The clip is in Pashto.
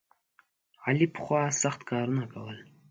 علي پخوا سخت کارونه کول.